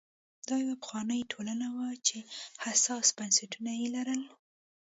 دا یوه پخوانۍ ټولنه وه چې حساس بنسټونه یې لرل